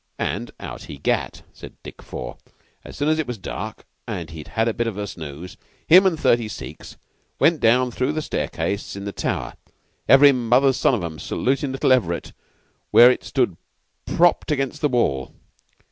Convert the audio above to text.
"And out he gat," said Dick Four. "As soon as it was dark, and he'd had a bit of a snooze, him and thirty Sikhs went down through the staircase in the tower, every mother's son of 'em salutin' little Everett where It stood propped up against the wall.